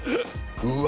うわ。